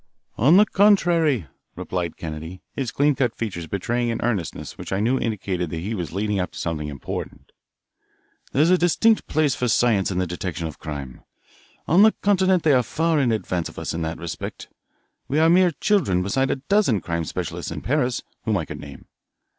"On the contrary," replied Kennedy, his clean cut features betraying an earnestness which I knew indicated that he was leading up to something important, "there is a distinct place for science in the detection of crime. On the Continent they are far in advance of us in that respect. We are mere children beside a dozen crime specialists in Paris, whom I could name."